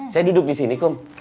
saya duduk disini kum